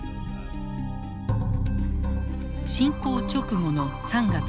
侵攻直後の３月初め